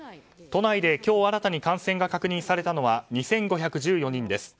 都内で今日新たに感染が確認されたのは２５１４人です。